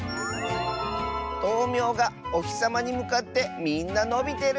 「とうみょうがおひさまにむかってみんなのびてる！」。